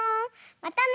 またね。